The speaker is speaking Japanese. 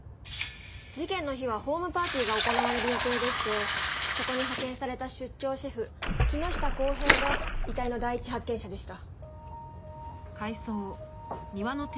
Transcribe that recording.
事件の日はホームパーティーが行われる予定でしてそこに派遣された出張シェフ木下公平が遺体の第一発見者でした。